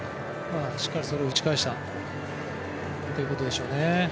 しっかりそれを打ち返したということでしょうね。